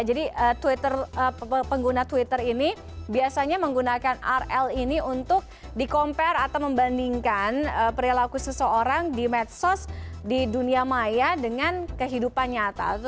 jadi pengguna twitter ini biasanya menggunakan rl ini untuk di compare atau membandingkan perilaku seseorang di medsos di dunia maya dengan kehidupan nyata atau di dunia nyata